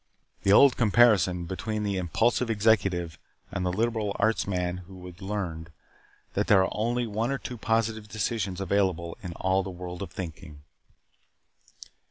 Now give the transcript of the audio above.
The old comparison between the impulsive executive and the liberal arts man who has learned that there are only one or two positive decisions available in all the world of thinking.